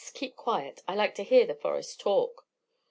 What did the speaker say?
Keep quiet. I like to hear the forest talk."